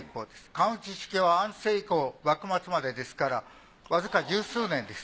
管打ち式は安政以降幕末までですからわずか十数年です。